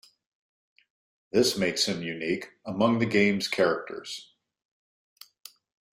This makes him unique among the game's characters.